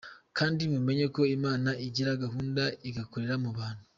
Kandi mumenye ko Imana igira gahunda igakorera mu bantu.